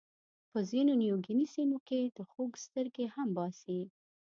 په ځینو نیوګیني سیمو کې د خوک سترګې هم باسي.